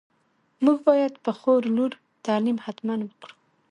موږ باید په خور لور تعليم حتماً وکړو.